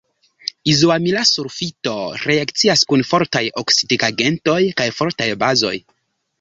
Izoamila sulfito reakcias kun fortaj oksidigagentoj kaj fortaj bazoj.